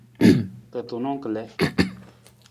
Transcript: Ra tunang kalii.